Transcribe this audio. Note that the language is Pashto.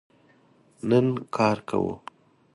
نن کار کوو